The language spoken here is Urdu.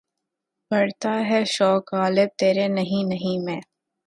بڑھتا ہے شوق "غالب" تیرے نہیں نہیں میں.